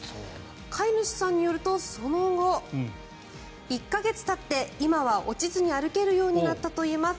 飼い主さんによるとその後、１か月たって今は落ちずに歩けるようになったといいます。